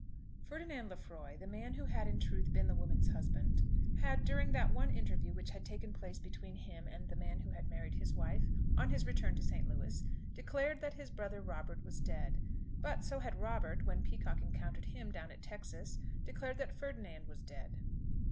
FERDINAND LEFROY, the man who had in truth been the woman's husband, had, during that one interview which had taken place between him and the man who had married his wife, on his return to St. Louis, declared that his brother Robert was dead. But so had Robert, when Peacocke encountered him down at Texas, declared that Ferdinand was dead.